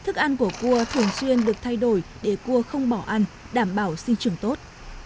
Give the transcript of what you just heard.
thức ăn của cua thường xuyên được thay đổi để cua không bỏ ăn đảm bảo sinh trưởng tốt